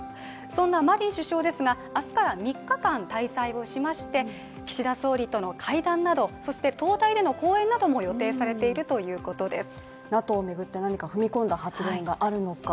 そんなマリン首相ですが、明日から３日間滞在をしまして岸田総理との会談など、そして東大での講演も予定されているということです。